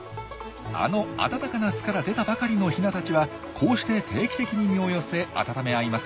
あの暖かな巣から出たばかりのヒナたちはこうして定期的に身を寄せ温め合います。